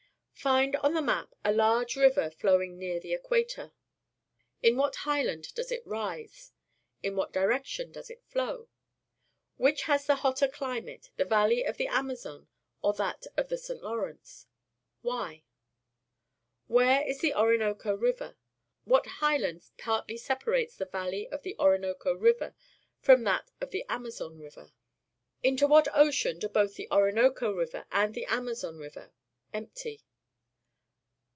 Find on the map a large river flowing near the equator. In what highland does it rise? In what direction does it flow? Which has the hotter climate, the valley of the Amazon or that of the St. Lawrence? Why? Where is the Orinoco River? What highland partly separates the valley of the Orinoco River from that of the Amazon River? Into what ocean do both the Orinoco River and the Amazon River empty?